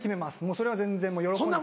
それは全然喜んで。